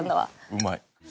うまい。